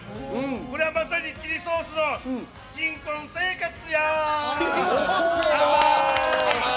これはまさにチリソースの新婚生活や！